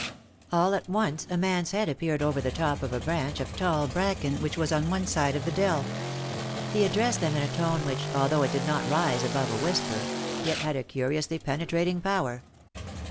All at once a man's head appeared over the top of a branch of tall bracken which was on one side of the dell. He addressed them in a tone which, although it did not rise above a whisper, yet had a curiously penetrating power.